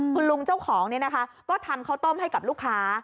คุณลุงเจ้าของนี่นะคะก็ทำข้าวต้มให้กับลูกค้า